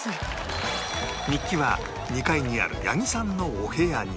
日記は２階にある八木さんのお部屋に